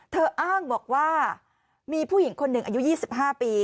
อ้างบอกว่ามีผู้หญิงคนหนึ่งอายุ๒๕ปี